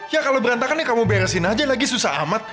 ya kalau berantakan ya kamu beresin aja lagi susah amat